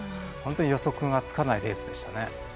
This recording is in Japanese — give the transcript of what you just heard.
本当に予測がつかないレースでしたね。